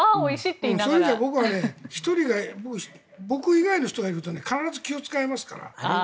そういう意味じゃ僕は僕以外の人がいると必ず気を使いますから。